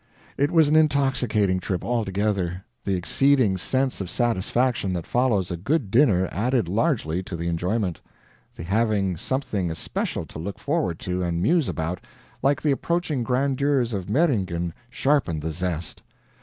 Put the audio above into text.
It was an intoxicating trip altogether; the exceeding sense of satisfaction that follows a good dinner added largely to the enjoyment; the having something especial to look forward to and muse about, like the approaching grandeurs of Meiringen, sharpened the zest.